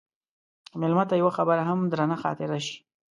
مېلمه ته یوه خبره هم درنه خاطره شي.